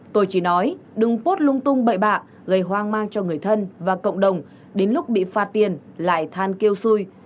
tôi chỉ nói đừng pốt lung tung bậy bạ gây hoang mang cho người thân và cộng đồng đến lúc bị phạt tiền lại than kêu xu